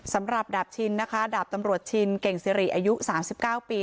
สำหรับดาบชินนะคะดาบตำรวจชินเก่งซีรีย์อายุสามสิบเก้าปี